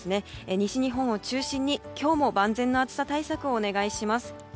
西日本を中心に今日も万全の暑さ対策をお願いします。